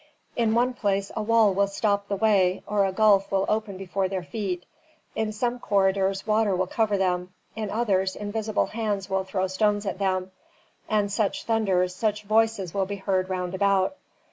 In one place a wall will stop the way, or a gulf will open before their feet. In some corridors water will cover them, in others invisible hands will throw stones at them. And such thunders, such voices will be heard round about."